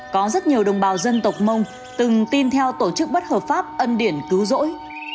có rất nhiều đồng bào dân tộc mông từng tin theo tổ chức bất hợp pháp ân điển cứu rỗi